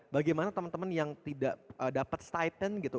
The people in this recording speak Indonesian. bagaimana teman teman yang tidak dapat stetan gitu